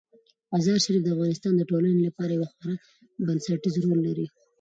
مزارشریف د افغانستان د ټولنې لپاره یو خورا بنسټيز رول لري.